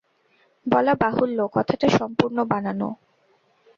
বলা বাহুল্য, কথাটা সম্পূর্ণ বানানো।